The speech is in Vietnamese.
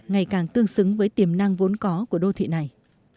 ngày càng tương xứng với tiềm năng vốn có của đô thị này